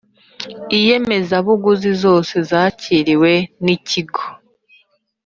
inyemezabuguzi zose zakiriwe n ikigo